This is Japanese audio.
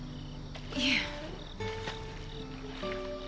いえ。